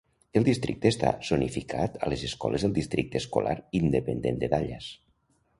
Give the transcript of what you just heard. El districte està zonificat a les escoles del districte escolar independent de Dallas.